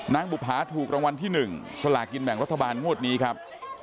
บุภาถูกรางวัลที่๑สลากินแบ่งรัฐบาลงวดนี้ครับ